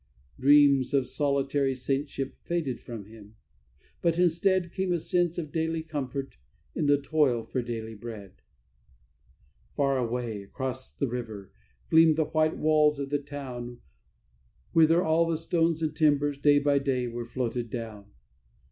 Dreams of solitary saintship faded from him; but, instead, Came a sense of daily comfort in the toil for daily bread. Far away, across the river, gleamed the white walls of the town Whither all the stones and timbers day by day were floated down.